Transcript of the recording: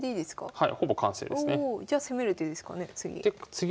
はい。